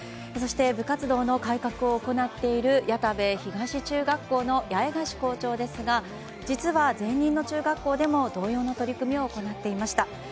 そして、部活動の改革を行っている谷田部東中学校の八重樫校長ですが実は、前任の中学校でも同様の取り組みを行っていました。